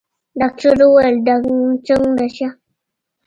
ډاکتر وويل څومره ښه.